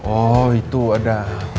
oh itu ada